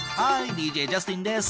ＤＪジャスティンです。